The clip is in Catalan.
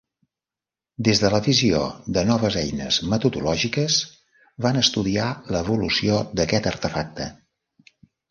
Des de la visió de noves eines metodològiques van estudiar l'evolució d'aquest artefacte.